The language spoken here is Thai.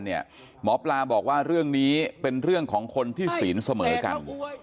หมอปลาบอกว่าเรื่องนี้เป็นเรื่องของคนที่ศีลเสมอกัน